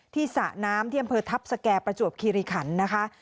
สระน้ำที่อำเภอทัพสแก่ประจวบคิริขันนะคะ